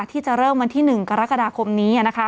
ที่จะเริ่มวันที่๑กรกฎาคมนี้นะคะ